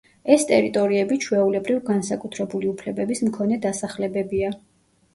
ეს ტერიტორიები ჩვეულებრივ განსაკუთრებული უფლებების მქონე დასახლებებია.